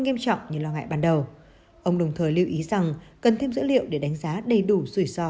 nghiêm trọng như lo ngại ban đầu ông đồng thời lưu ý rằng cần thêm dữ liệu để đánh giá đầy đủ rủi ro